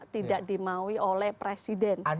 tidak dimaui oleh presiden